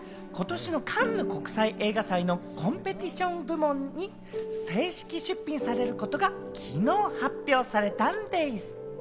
是枝裕和監督の最新作『怪物』が今年のカンヌ国際映画祭のコンペティション部門に正式出品されることが昨日発表されたんでぃす！